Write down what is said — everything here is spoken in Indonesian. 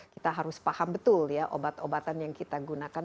kita harus paham betul ya obat obatan yang kita gunakan